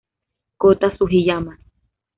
Kota Sugiyama